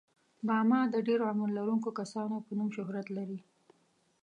باما د ډېر عمر لرونکو کسانو په نوم شهرت لري.